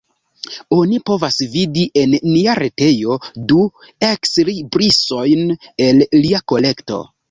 Oni povas vidi en nia retejo du ekslibrisojn el lia kolekto.